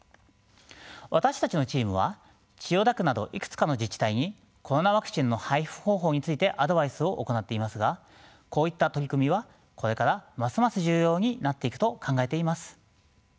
私たちのチームは千代田区などいくつかの自治体にコロナワクチンの配布方法についてアドバイスを行っていますがこういった取り組みはこれからますます重要になっていくと考えています。